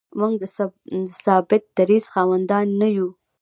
موږ د ثابت دریځ خاوندان نه یو.